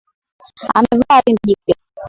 Amevaa rinda jipya